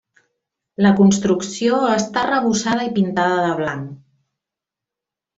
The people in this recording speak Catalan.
La construcció està arrebossada i pintada de blanc.